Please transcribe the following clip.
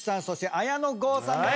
綾野剛さんです。